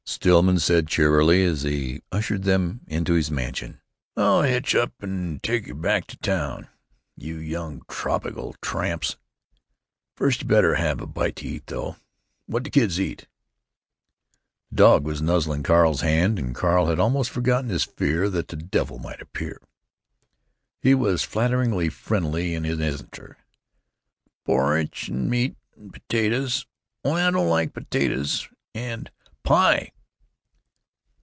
Stillman said, cheerily, as he ushered them into his mansion: "I'll hitch up and take you back to town. You young tropical tramps! First you better have a bite to eat, though. What do kids eat, bub?" The dog was nuzzling Carl's hand, and Carl had almost forgotten his fear that the devil might appear. He was flatteringly friendly in his answer: "Porritch and meat and potatoes—only I don't like potatoes, and—pie!"